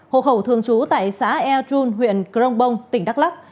hồ khẩu thường trú tại xã el trun huyện crong bong tỉnh đắk lắk